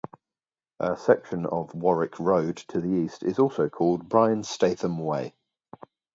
A section of Warwick Road to the east is also called Brian Statham Way.